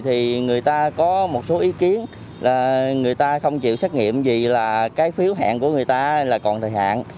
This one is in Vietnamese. thì người ta có một số ý kiến là người ta không chịu xét nghiệm gì là cái phiếu hẹn của người ta là còn thời hạn